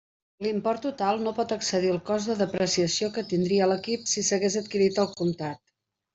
L'import total no pot excedir el cost de depreciació que tindria l'equip si s'hagués adquirit al comptat.